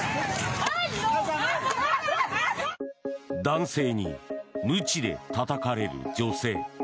男性にむちでたたかれる女性。